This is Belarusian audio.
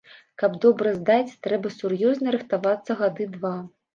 Каб добра здаць, трэба сур'ёзна рыхтавацца гады два.